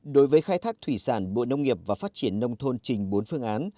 đối với khai thác thủy sản bộ nông nghiệp và phát triển nông thôn trình bốn phương án